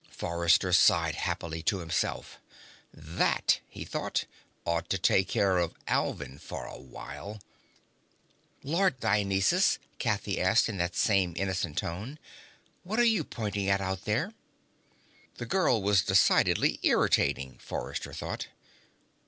Forrester sighed happily to himself. That, he thought, ought to take care of Alvin for a while. "Lord Dionysus," Kathy asked in that same innocent tone, "what are you pointing at out there?" The girl was decidedly irritating, Forrester thought.